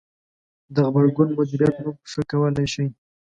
-د غبرګون مدیریت مو ښه کولای ش ئ